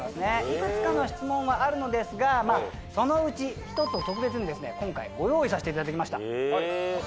いくつかの質問はあるのですがそのうち一つを特別に今回ご用意させていただきました。